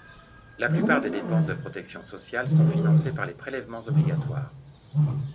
La plupart des dépenses de protection sociale sont financées par les prélèvements obligatoires.